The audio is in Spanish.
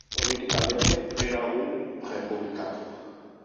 Políticamente, era un republicano.